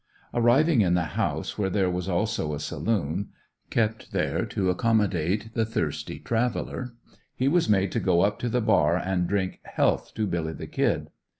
Arriving in the house where there was also a saloon, kept there to accommodate the thirsty traveler, he was made to go up to the bar and drink "health to Billy the Kid."